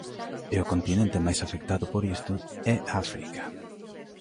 E o continente máis afectado por isto é África.